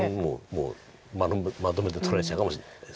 もうまとめて取られちゃうかもしれないです。